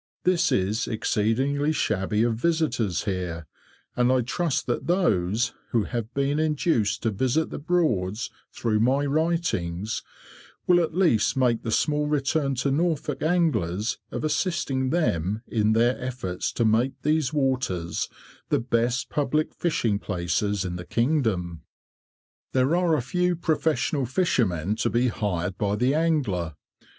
This is exceedingly shabby of visitors here, and I trust that those who have been induced to visit the Broads through my writings will at least make the small return to Norfolk anglers of assisting them in their efforts to make these waters the best public fishing places in the kingdom. There are a few professional fishermen to be hired by the angler.